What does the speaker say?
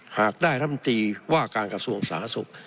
หากได้รำตีว่าการกระทรวงสาธารณสุข